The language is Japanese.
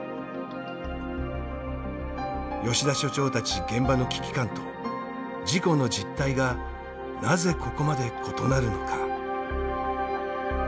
吉田所長たち現場の危機感と事故の実態がなぜここまで異なるのか。